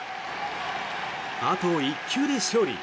あと１球で勝利。